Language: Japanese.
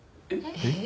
えっ？